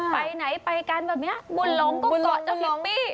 ไปไหนไปกันแบบนี้บุญหลงก็เกาะเจ้าฮิปปี้